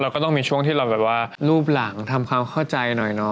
ก็ต้องมีช่วงที่เราแบบว่ารูปหลังทำความเข้าใจหน่อยเนาะ